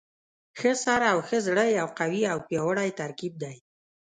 ښه سر او ښه زړه یو قوي او پیاوړی ترکیب دی.